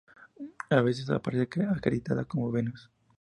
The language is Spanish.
A veces aparece acreditada como Venus.